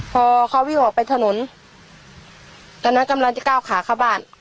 พอเขาวิ่งออกไปถนนตอนนั้นกำลังจะก้าวขาเข้าบ้าน